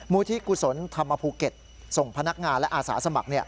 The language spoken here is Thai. ที่กุศลธรรมภูเก็ตส่งพนักงานและอาสาสมัคร